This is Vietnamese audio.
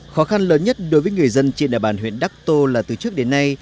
khó khăn lớn nhất đối với người dân trên địa bàn huyện đắc tô là từ trước đến nay